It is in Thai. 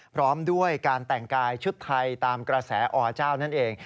พร้อมด้วยการแต่งกายชุดไทยตามกระแสอเจ้านั่นเอง